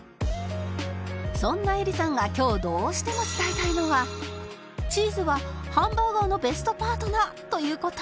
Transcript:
そんなエリさんが今日どうしても伝えたいのはチーズはハンバーガーのベストパートナーという事